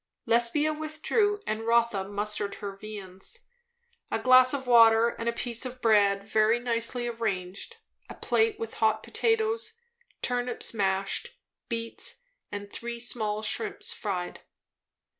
Lesbia withdrew, and Rotha mustered her viands. A glass of water and a piece of bread, very nicely arranged; a plate with hot potatoes, turnips mashed, beets, and three small shrimps fried.